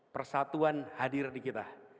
persatuan hadir di kita